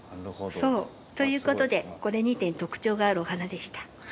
そうということでこれにて特徴があるお花でした。